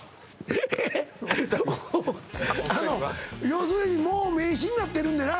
要するにもう名刺になってるんでな